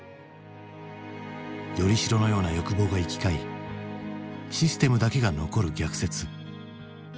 依り代のような欲望が行き交いシステムだけが残る逆説。